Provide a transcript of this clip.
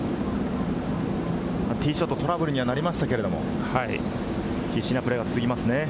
ティーショットトラブルにはなりましたけれども、必死なプレーが続きますね。